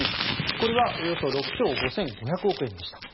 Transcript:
これはおよそ６兆５５００億円でした。